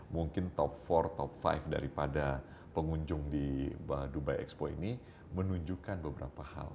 mungkin top empat top lima daripada pengunjung di dubai expo ini menunjukkan beberapa hal